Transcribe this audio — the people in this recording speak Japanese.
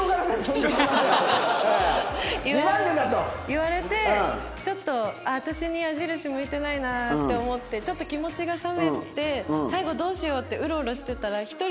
言われてちょっと私に矢印向いてないなって思ってちょっと気持ちが冷めて最後どうしようってうろうろしてたら１人でいて。